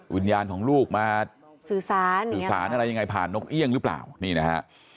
วิญญาณของลูกมาสื่อสารสื่อสารอะไรยังไงผ่านนกเอี่ยงหรือเปล่านี่นะฮะ